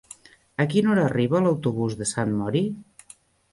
A quina hora arriba l'autobús de Sant Mori?